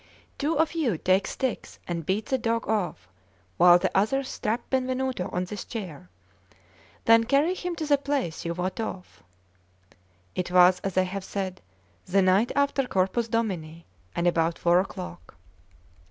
Two of you take sticks and beat the dog off; while the others strap Benvenuto on this chair; then carry him to the place you wot of." It was, as I have said, the night after Corpus Domini, and about four o'clock.